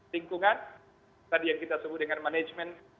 lingkungan tadi yang kita sebut dengan manajemen